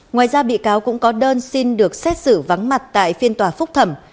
ngoài ra bị cáo cũng có đơn xin được xét xử vắng mặt tại phiên tòa phúc thẩm